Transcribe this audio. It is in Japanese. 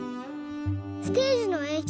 ステージのえん